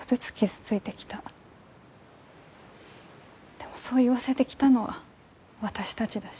でもそう言わせてきたのは私たちだし。